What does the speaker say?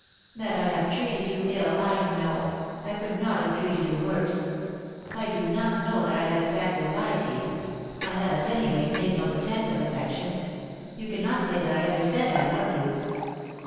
"That I have treated you ill, I know; I could not have treated you worse. I do not know that I have exactly lied to you; I have at any rate made no 299 3i 9 iii^d by Google THE INTERRUPTED KISS pretence of affection— you cannot say that I ever said I loved you."